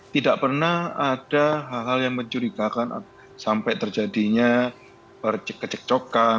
tidak pernah ada hal hal yang mencurigakan sampai terjadinya kecekcokan